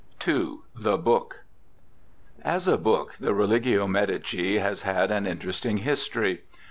II — The Book As a book the Religio Medici has had an interesting history.